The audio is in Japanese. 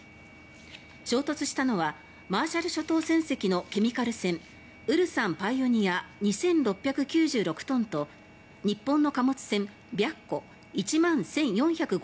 衝突したのはマーシャル諸島船籍のケミカル船「ウルサンパイオニア」２６９６トンと日本の貨物船